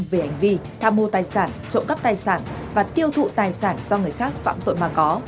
về hành vi tham mô tài sản trộm cắp tài sản và tiêu thụ tài sản do người khác phạm tội mà có